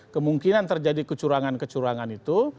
kemungkinan terjadi kecurangan kecurangan itu